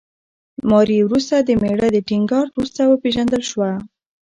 ماري وروسته د مېړه د ټینګار وروسته وپېژندل شوه.